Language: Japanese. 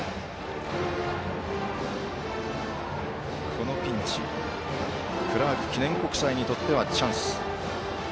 このピンチクラーク記念国際にとってはチャンス。